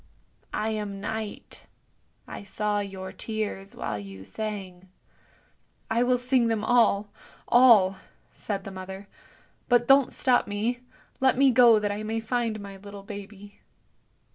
I am Night. I saw your tears while you sang." " I will sing them all — all," said the mother; " but don't stop me; let me go that I may find my little baby."